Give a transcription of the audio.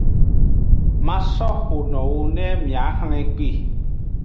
Maso ho nowo ne miaxwle kpi.